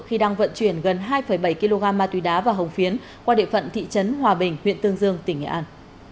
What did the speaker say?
khi đang vận chuyển gần hai bảy kg ma túy đá và hồng phiến qua địa phận thị trấn hòa bình huyện tương dương tỉnh nghệ an